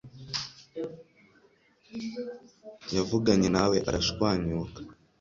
yavuganye nawe arashwanyuka